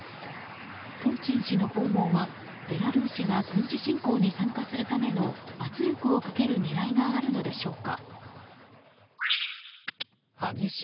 プーチン氏の訪問はベラルーシが軍事侵攻に参加するための圧力をかける狙いがあるのでしょうか。